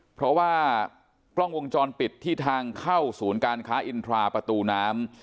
เพราะว่ากล้องวงจรปิดที่ทางเข้าศูนย์การค้าอินทราประตูน้ำ